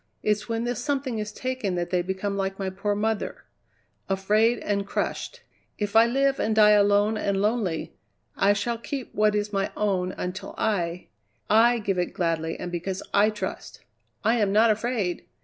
It's when this something is taken that they become like my poor mother afraid and crushed. If I live and die alone and lonely, I shall keep what is my own until I I give it gladly and because I trust. I am not afraid!